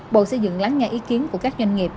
bộ xây dựng lắng nghe ý kiến của các doanh nghiệp